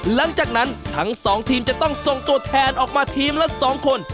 หลังจากนั้นทั้งสองทีมจะต้องส่งตัวแทนออกมาทีมละ๒คน